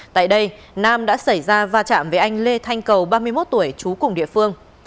tại đây nam đã xảy ra va chạm với anh lê thanh cầu ba mươi một tuổi trú cùng địa phương